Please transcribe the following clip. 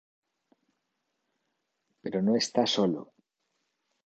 Pero no está solo.